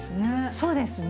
そうですね。